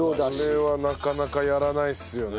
それはなかなかやらないですよね。